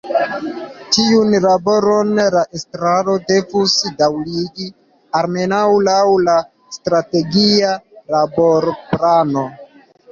Tiun laboron la estraro devus daŭrigi, almenaŭ laŭ la Strategia Laborplano.